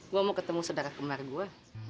gua mau ketemu sedara kembar gue